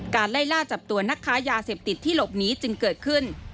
ไล่ล่าจับตัวนักค้ายาเสพติดที่หลบหนีจึงเกิดขึ้น